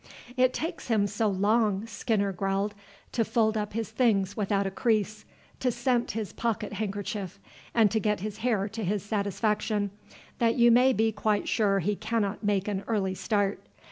"It takes him so long," Skinner growled, "to fold up his things without a crease, to scent his pocket handkerchief, and to get his hair to his satisfaction, that you may be quite sure he cannot make an early start.